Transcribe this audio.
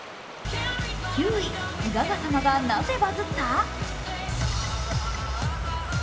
９位、ガガ様が、なぜバズった？